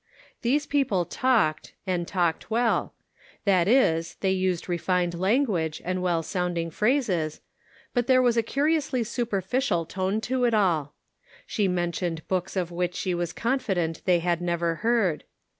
These people talked, and talked well ; that is. they used refined language and well sounding phrases, but there Avas a curiously superficial tone to it all. She men tioned books of which she was confident they had never heard.